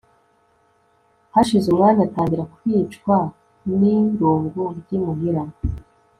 hashize umwanya atangira kwicwa n'irungu ry'imuhira